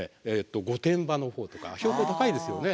御殿場の方とか標高高いですよね。